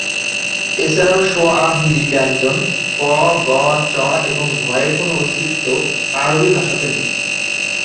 এছাড়াও সোয়াহিলি ব্যঞ্জন প, গ, চ, এবং ভ-এর কোন অস্তিত্ব আরবি ভাষাতে নেই।